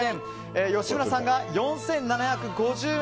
吉村さんが４７５０円。